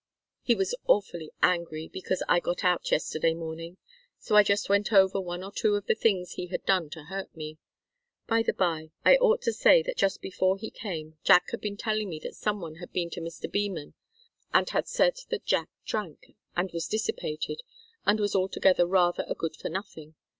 He was awfully angry because I got out yesterday morning. So I just went over one or two of the things he had done to hurt me. By the bye I ought to say, that just before he came Jack had been telling me that some one had been to Mr. Beman, and had said that Jack drank, and was dissipated, and was altogether rather a good for nothing.